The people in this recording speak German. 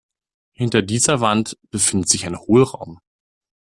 Hinter dieser Wand befindet sich ein Hohlraum.